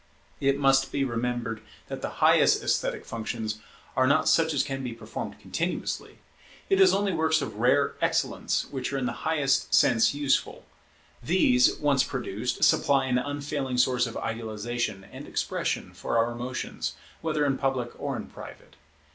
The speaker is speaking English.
It must be remembered that the highest esthetic functions are not such as can be performed continuously. It is only works of rare excellence which are in the highest sense useful: these, once produced, supply an unfailing source of idealization and expression for our emotions, whether in public or in private.